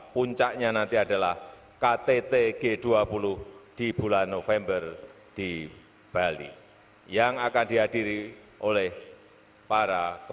penghormatan kepada panji panji kepolisian negara republik indonesia tri brata